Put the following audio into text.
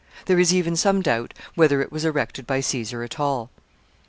There is even some doubt whether it was erected by Caesar at all.